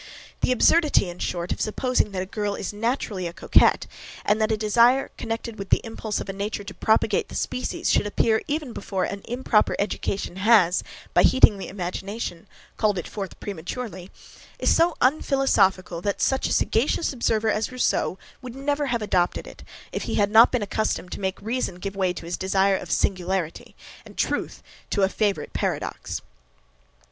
The absurdity, in short, of supposing that a girl is naturally a coquette, and that a desire connected with the impulse of nature to propagate the species, should appear even before an improper education has, by heating the imagination, called it forth prematurely, is so unphilosophical, that such a sagacious observer as Rousseau would not have adopted it, if he had not been accustomed to make reason give way to his desire of singularity, and truth to a favourite paradox.